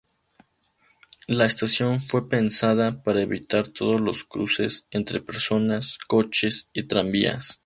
La estación fue pensada para evitar todos los cruces entre personas, coches y tranvías.